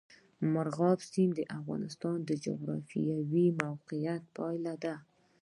مورغاب سیند د افغانستان د جغرافیایي موقیعت پایله ده.